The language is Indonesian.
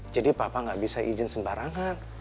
jadi papa gak bisa izin sembarangan